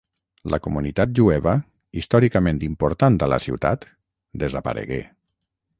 La comunitat jueva, històricament important a la ciutat, desaparegué.